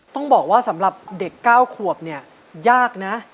ต้องบอกว่าสำหรับเด็ก๙ขวบเนี่ยยากนะ